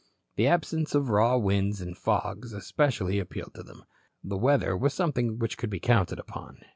The absence of raw winds and fogs especially appealed to them. The weather was something which could be counted upon.